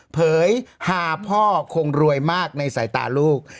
เผยหาพ่อคงรวยมากในสายตาลูก